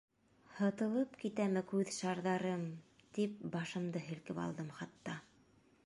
Һытылып китәме күҙ шарҙарым, тип башымды һелкеп алдым хатта.